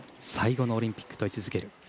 最後のオリンピックと位置づける